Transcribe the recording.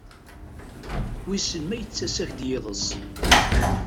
Wissen ma yettas-ak-d yiḍes?